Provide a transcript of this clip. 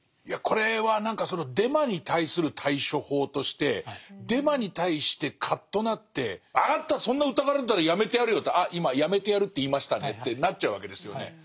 いやこれは何かそのデマに対する対処法としてデマに対してカッとなって「分かったそんな疑われるんだったらやめてやるよ」って「あ今やめてやるって言いましたね」ってなっちゃうわけですよね。